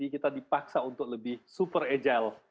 kita dipaksa untuk lebih super agile